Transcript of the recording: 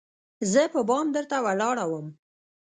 زه په بام درته ولاړه وم